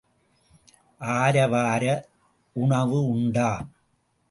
ஆரவார உணவு உண்டா?